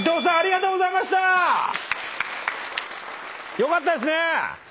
よかったですね。